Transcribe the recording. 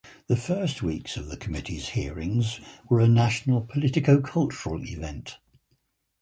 The first weeks of the committee's hearings were a national politico-cultural event.